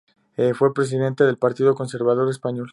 Fue presidente del Partido Conservador Español.